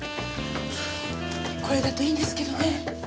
これだといいんですけどね。